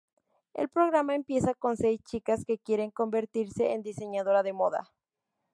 El programa empieza con seis chicas que quieren convertirse en diseñadora de moda.